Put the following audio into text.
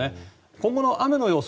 今後の雨の予想